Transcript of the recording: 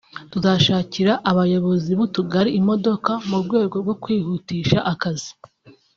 tuzashakira abayobozi b’utugari imodoka mu rwego rwo kwihutisha akazi”